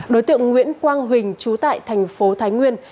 đối tượng nguyễn quang huỳnh trú tại thành phố thái nguyên